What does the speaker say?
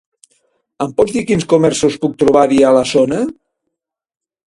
Em pots dir quins comerços puc trobar-hi a la zona?